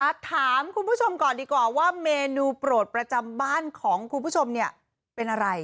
ถามคุณผู้ชมก่อนดีกว่าว่าเมนูโปรดประจำบ้านของคุณผู้ชมเนี่ยเป็นอะไร